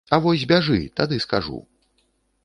А вось бяжы, тады скажу.